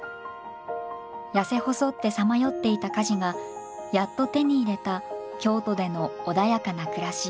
痩せ細ってさまよっていたカジがやっと手に入れた京都での穏やかな暮らし。